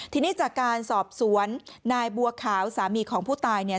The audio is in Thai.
ทีนี้จากการสอบสวนนายบัวขาวสามีของผู้ตายเนี่ย